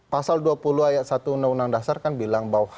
pasal dua puluh ayat satu undang undang dasar kan bilang bahwa